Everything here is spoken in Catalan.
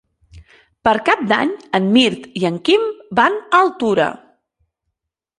Per Cap d'Any en Mirt i en Quim van a Altura.